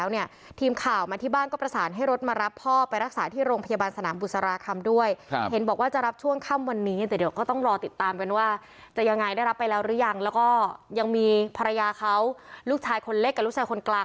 นี่แบบปฏิเสธการรักษาเลย